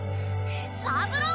サブロー